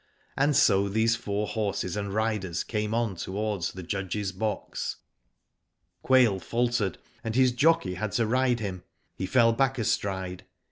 And so these four horses and riders came on towards the judge^s box. Quail faltered, and his jockey had to ride him. He fell hack a stride.